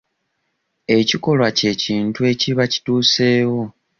Ekikolwa kye kintu ekiba kituuseewo.